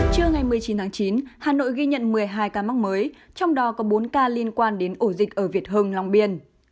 trưa ngày một mươi chín tháng chín hà nội ghi nhận một mươi hai ca mắc mới trong đó có bốn ca liên quan đến ổ dịch ở việt hưng long biên